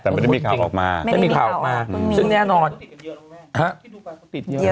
แต่ไม่ได้มีข่าวออกมาไม่ได้มีข่าวออกมาซึ่งแน่นอนที่ดูไบก็ติดเยอะเยอะ